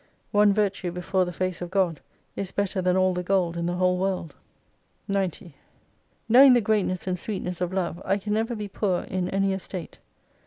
One virtue before the face of God, is better than all the gold in the whole world. 90 Knowing the greatness and sweetness of Love, I can never be poor in any estate.